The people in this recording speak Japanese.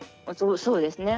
そうですね。